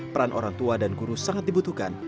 peran orang tua dan guru sangat dibutuhkan